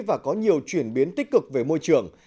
và có nhiều chuyển biến tích cực về môi trường